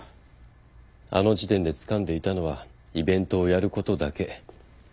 あの時点でつかんでいたのはイベントをやることだけ。